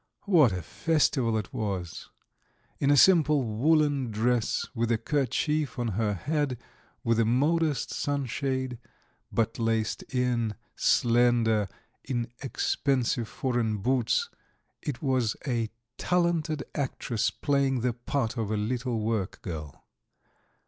What a festival it was! In a simple woollen dress with a kerchief on her head, with a modest sunshade, but laced in, slender, in expensive foreign boots it was a talented actress playing the part of a little workgirl.